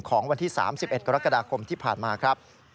ของวันที่๓๑กรกฎาคมที่ผ่านมาครับ